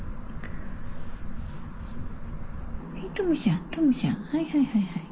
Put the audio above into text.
トムちゃんトムちゃんはいはいはいはい。